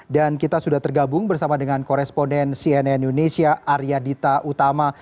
dan kita sudah tergabung bersama dengan koresponen cnn indonesia arya dita utama